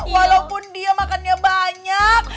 walaupun dia makannya banyak